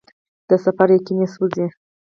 د سفر یقین یې سوزي